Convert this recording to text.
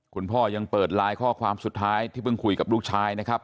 คุณพ่อยังเปิดไลน์ข้อความสุดท้ายที่เพิ่งคุยกับลูกชายนะครับ